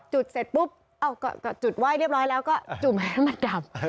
จุดเสร็จปุ๊บก็จุดไหว้เรียบร้อยแล้วก็จุ่มให้น้ำมันดำ